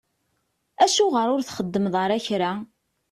Acuɣeṛ ur txeddmeḍ ara kra?